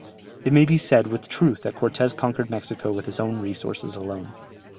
It may be said with truth that Cortès conquered Mexico with his own resources alone.